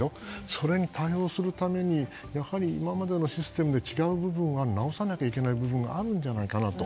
それに対応するためにやはり今までのシステムで違う部分は直さなきゃいけない部分があるんじゃないかなと。